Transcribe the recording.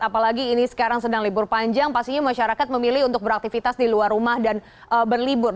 apalagi ini sekarang sedang libur panjang pastinya masyarakat memilih untuk beraktivitas di luar rumah dan berlibur